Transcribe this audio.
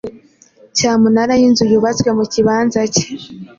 Cyamunara y’inzu yubatswe mu kibanza cye